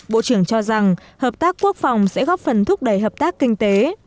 bộ trưởng cho rằng hợp tác quốc phòng sẽ góp phần thúc đẩy hợp tác kinh tế